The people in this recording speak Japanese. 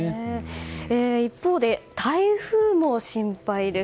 一方で台風も心配です。